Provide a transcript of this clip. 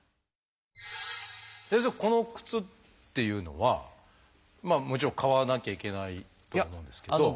先生この靴っていうのはもちろん買わなきゃいけないと思うんですけど。